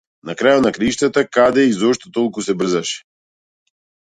На крајот на краиштата, каде и зошто толку се брзаше?